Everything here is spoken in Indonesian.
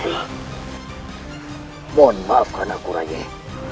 mohon maafkan aku raih